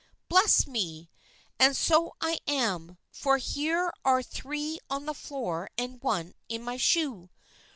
Bless me! and so I am, for here are three on the floor and one in my shoe."